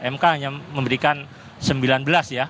mk hanya memberikan sembilan belas ya